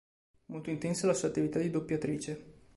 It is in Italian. Molto intensa la sua attività di doppiatrice.